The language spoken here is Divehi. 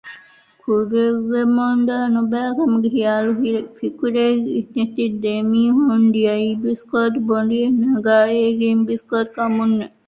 ކުރެވެމުންދާ ނުބައިކަމުގެ ޚިޔާލެއް ފިކުރެއް ނެތި ދެމީހުން ދިޔައީ ބިސްކޯދު ބޮނޑިއެއް ނަގާ އޭގެން ބިސްކޯދު ކަމުން